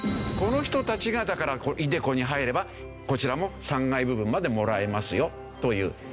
この人たちがだからｉＤｅＣｏに入ればこちらも３階部分までもらえますよという。